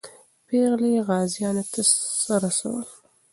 پېغلې غازیانو ته څه رسول؟